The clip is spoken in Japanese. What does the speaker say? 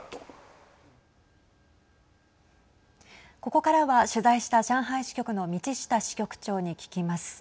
ここからは取材した上海支局の道下支局長に聞きます。